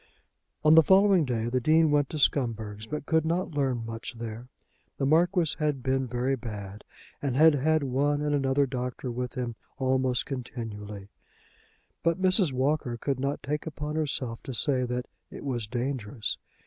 On the following day the Dean went to Scumberg's, but could not learn much there. The Marquis had been very bad, and had had one and another doctor with him almost continually; but Mrs. Walker could not take upon herself to say that "it was dangerous."